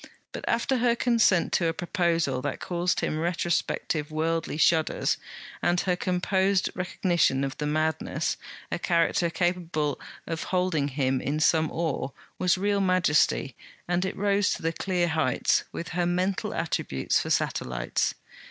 But, after her consent to a proposal that caused him retrospective worldly shudders, and her composed recognition of the madness, a character capable of holding him in some awe was real majesty, and it rose to the clear heights, with her mental attributes for satellites.